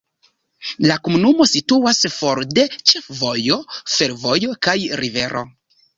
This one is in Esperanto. La komunumo situas for de ĉefvojo, fervojo kaj rivero.